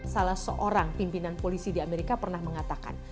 salah seorang pimpinan polisi di amerika pernah mengatakan